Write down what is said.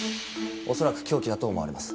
恐らく凶器だと思われます。